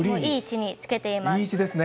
いい位置につけています。